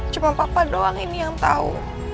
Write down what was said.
cuma papa doang ini yang tahu